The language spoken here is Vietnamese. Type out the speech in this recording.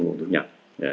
nguồn thu nhập